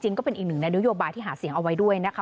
ก็เป็นอีกหนึ่งในนโยบายที่หาเสียงเอาไว้ด้วยนะคะ